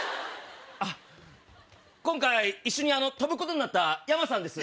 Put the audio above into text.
あっ今回一緒に飛ぶことになったヤマさんです。